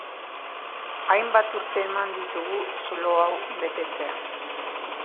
Hainbat urte eman ditugu zulo hau betetzea.